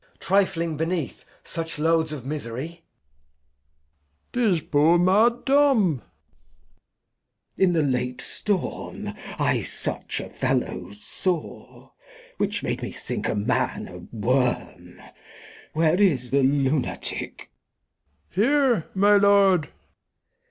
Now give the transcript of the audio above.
Trifling beneath such Loads of Misery ? Old M. 'Tis poor mad Tom. Glost. In the late Storm, I such a Fellow saw. Which made me think a Man a Worm, Where is the Lunatick ? Old M. Here, my Lord.